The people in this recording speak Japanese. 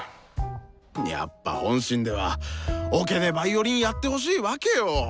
やっぱ本心ではオケでヴァイオリンやってほしいわけよ！